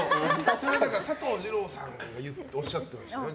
佐藤二朗さんがおっしゃってましたね。